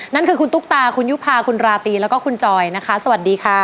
นั่นคือคุณตุ๊กตาคุณยุภาคุณราตรีแล้วก็คุณจอยนะคะสวัสดีค่ะ